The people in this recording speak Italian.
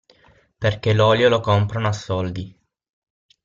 Perché l'olio lo comprano a soldi.